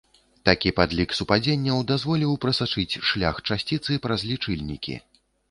Такі падлік супадзенняў дазволіў прасачыць шлях часціцы праз лічыльнікі.